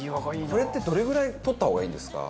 これってどれぐらい取った方がいいんですか？